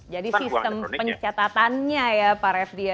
jadi sistem pencatatannya ya pak refdy